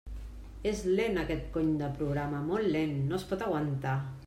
És lent aquest cony de programa, molt lent, no es pot aguantar!